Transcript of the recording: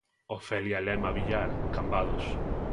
Ofelia Lema Villar, Cambados.